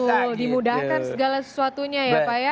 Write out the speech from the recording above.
betul dimudahkan segala sesuatunya ya pak ya